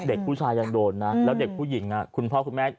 เด็กผู้ชายยังโดนนะแล้วเด็กผู้หญิงคุณพ่อคุณแม่